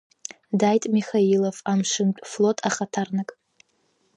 Дааит Михаилов, амшынтә флот ахаҭарнак.